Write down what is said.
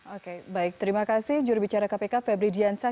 oke baik terima kasih jurubicara kpk febri diansah